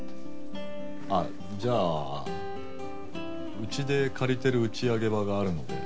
あっじゃあうちで借りてる打ち上げ場があるので。